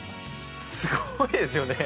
すごいですよね！